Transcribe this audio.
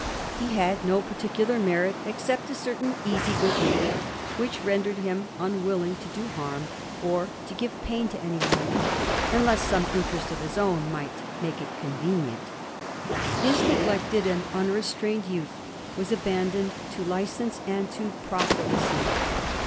He had no particular merit except a certain easy good nature, which rendered him unwilling to do harm or to give pain to anyone, unless some interest of his own should make it con venient His neglected and unrestrained youth waa abandoned to licence and to profligacy.